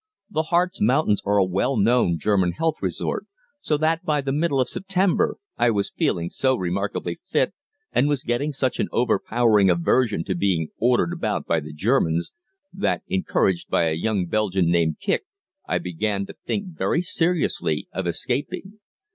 The Harz Mountains are a well known German health resort, so that by the middle of September I was feeling so remarkably fit, and was getting such an overpowering aversion to being ordered about by the Germans, that, encouraged by a young Belgian called Kicq, I began to think very seriously of escaping.